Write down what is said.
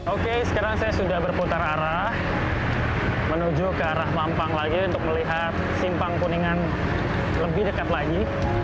oke sekarang saya sudah berputar arah menuju ke arah mampang lagi untuk melihat simpang kuningan lebih dekat lagi